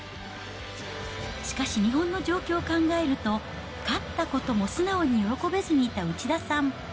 しかし、日本の状況を考えると、勝ったことも素直に喜べずにいた内田さん。